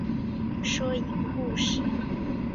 说一个故事